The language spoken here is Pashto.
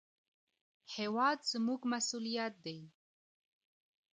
هېواد زموږ مسوولیت دی